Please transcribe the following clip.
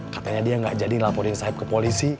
katanya dia gak jadi ngelaporin saeb ke polisi